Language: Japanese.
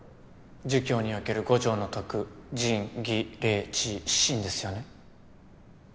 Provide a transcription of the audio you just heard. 儒教における五常の徳仁義礼智信ですよね？